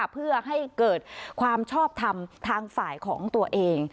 เพื่อให้เกิดความชอบทำทางฝ่ายของตัวเอง